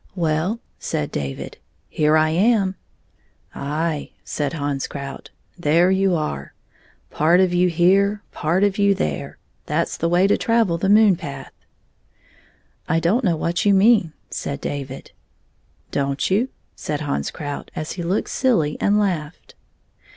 " Well," said David, " here I am." "Aye;" said Hans Krout, "there you are. Part of you here, part of you there. That 's the way to travel the moon path." " I don't know what you mean," said David. " Don't you ?" said Hans Krout, as he looked silly and laughed.